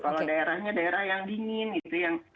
kalau daerahnya daerah yang dingin gitu